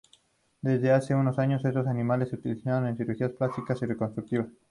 Desde hace unos años, estos animales se están utilizando en cirugía plástica y reconstructiva.